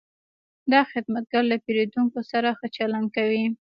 دا خدمتګر له پیرودونکو سره ښه چلند کوي.